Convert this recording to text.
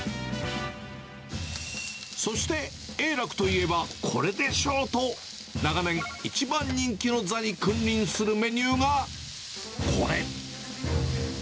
そして、栄楽といえばこれでしょうと、長年、一番人気の座に君臨するメニューがこれ。